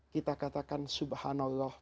kita katakan subhanallah